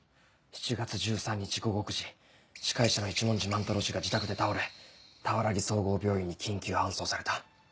「７月１３日午後９時司会者の一文字萬太郎が自宅で倒れ俵木総合病院に緊急搬送された」。